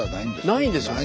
ないんですよ。